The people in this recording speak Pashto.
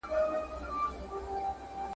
درې منفي يو؛ دوه پاته کېږي.